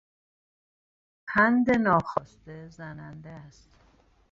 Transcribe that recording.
پند ناخواسته زننده است.